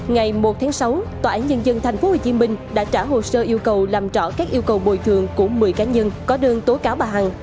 ngày một tháng sáu tòa án nhân dân tp hcm đã trả hồ sơ yêu cầu làm trỏ các yêu cầu bồi thường của một mươi cá nhân